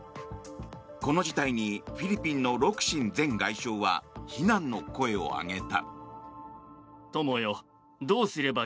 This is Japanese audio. この事態にフィリピンのロクシン前外相は非難の声を上げた。